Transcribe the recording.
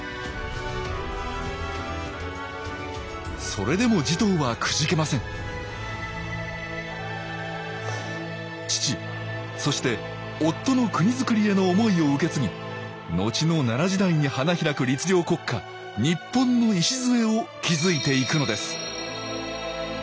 それでも持統はくじけません父そして夫の国づくりへの思いを受け継ぎのちの奈良時代に花開く律令国家日本の礎を築いていくのです